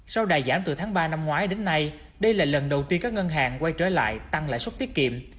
sau đài giảm từ tháng ba năm ngoái đến nay đây là lần đầu tiên các ngân hàng quay trở lại tăng lãi suất tiết kiệm